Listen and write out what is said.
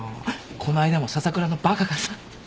この間も笹倉のバカがさ。